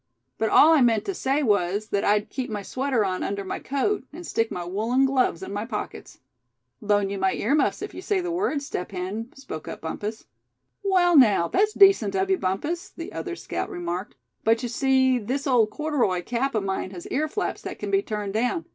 But all I meant to say was, that I'd keep my sweater on under my coat, and stick my woolen gloves in my pockets." "Loan you my earmuffs if you say the word, Step Hen," spoke up Bumpus. "Well, now, that's decent of you, Bumpus," the other scout remarked; "but you see, this old corduroy cap of mine has earflaps that can be turned down.